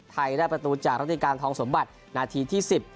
ไทยได้ประตูจากรัติการทองสมบัตินาทีที่๑๐